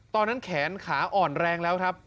ตอนนั้นแขนขาอ่อนแรงแล้วครับ